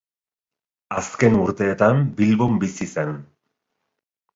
Azken urteetan Bilbon bizi zen.